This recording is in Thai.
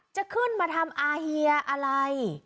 จะขึ้นมาทำอาเฮียอะไร